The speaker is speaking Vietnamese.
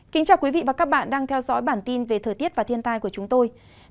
chào mừng quý vị đến với bản tin thời tiết và thiên tai của chúng tôi